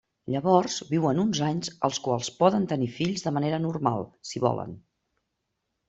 Llavors viuen uns anys als quals poden tenir fills de manera normal, si volen.